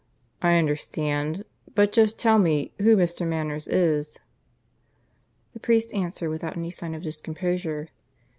"I understand. But just tell me who Mr. Manners is?" The priest answered without any sign of discomposure.